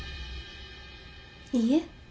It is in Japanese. いいえ。